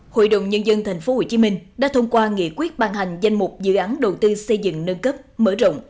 hội đồng nhân dân tp hcm đã thông qua nghị quyết ban hành danh mục dự án đầu tư xây dựng nâng cấp mở rộng